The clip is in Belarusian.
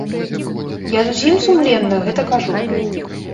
Я зусім сумленна гэта кажу.